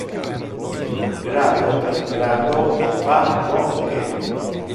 Grado per grado on va longe.